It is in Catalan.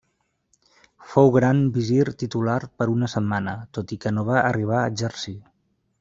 Fou gran visir titular per una setmana, tot i que no va arribar a exercir.